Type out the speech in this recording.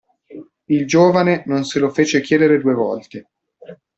Il giovane non se lo fece chiedere due volte.